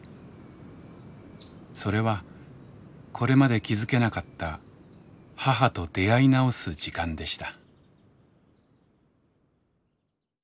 それはこれまで気付けなかった母と出会い直す時間でした。